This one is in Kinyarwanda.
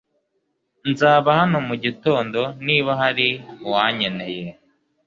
Nzaba hano mugitondo niba hari uwankeneye.